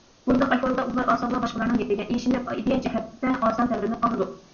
بۇنداق ئەھۋالدا ئۇلار ئاسانلا باشقىلارنىڭ گېپىگە ئىشىنىپ، ئىدىيە جەھەتتە ئاسان تەۋرىنىپ قالىدۇ.